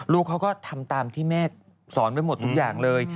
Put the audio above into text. ลูกเขาก็ทำตามที่แม่สอนไว้หมดทุกอย่างเลย